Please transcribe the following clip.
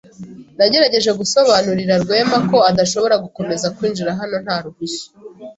Nagerageje gusobanurira Rwema ko adashobora gukomeza kwinjira hano nta ruhushya.